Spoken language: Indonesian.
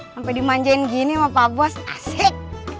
sampai dimanjain gini sama pak bos asik